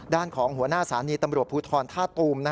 ด้านของหัวหน้าสถานีตำรวจภูทรท่าตูม